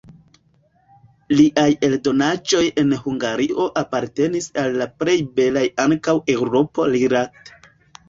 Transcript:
Liaj eldonaĵoj en Hungario apartenis al la plej belaj ankaŭ Eŭropo-rilate.